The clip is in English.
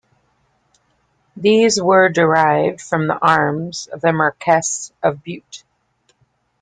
These were derived from the arms of the Marquess of Bute.